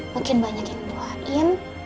mungkin banyak yang doain